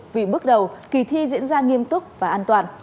vì bước đầu kỳ thi diễn ra nghiêm túc và an toàn